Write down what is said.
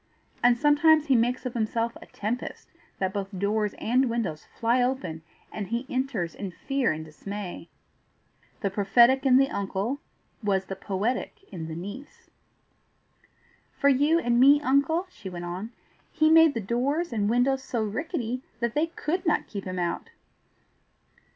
And sometimes he makes of himself a tempest, that both doors and windows fly open, and he enters in fear and dismay." The prophetic in the uncle was the poetic in the niece. "For you and me, uncle," she went on, "he made the doors and windows so rickety that they COULD not keep him out."